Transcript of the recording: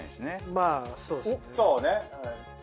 まあそうっすね。